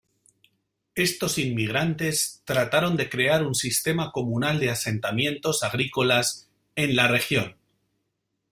Estos inmigrantes trataron de crear un sistema comunal de asentamientos agrícolas en la región.